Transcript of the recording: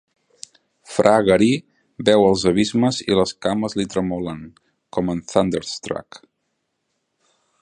Fra Garí veu els abismes i les cames li tremolen, com en 'Thunderstruck'.